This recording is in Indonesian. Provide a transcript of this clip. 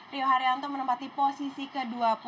rio haryanto menempati posisi ke dua puluh